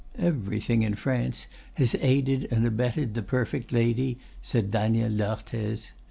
"Everything in France has aided and abetted the 'perfect lady,'" said Daniel d'Arthez.